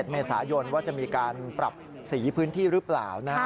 เมษายนว่าจะมีการปรับสีพื้นที่หรือเปล่า